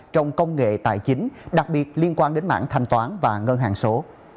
trong công nghệ tài chính đặc biệt liên quan đến mảng thanh toán và ngân hàng số